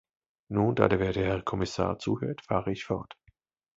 Nun, da der werte Herr Kommissar zuhört, fahre ich fort.